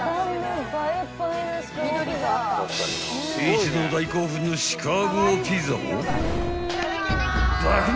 ［一同大興奮のシカゴピザを］